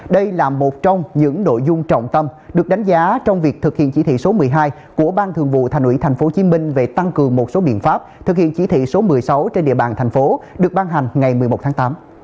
đây là một trong những nội dung trọng tâm được đánh giá trong việc thực hiện chỉ thị số một mươi hai của ban thường vụ thành ủy tp hcm về tăng cường một số biện pháp thực hiện chỉ thị số một mươi sáu trên địa bàn thành phố được ban hành ngày một mươi một tháng tám